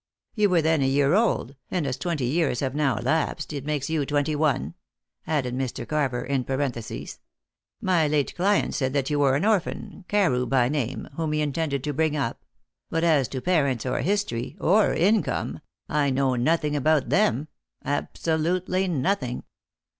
You were then a year old, and as twenty years have now elapsed, it makes you twenty one," added Mr. Carver in parenthesis. "My late client said that you were an orphan, Carew by name, whom he intended to bring up; but as to parents, or history, or income I know nothing about them, absolutely nothing."